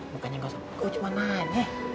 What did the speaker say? bukannya gak sopan kau cuman main